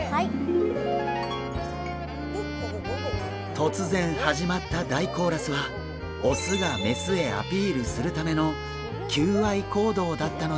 突然始まった大コーラスはオスがメスへアピールするための求愛行動だったのです！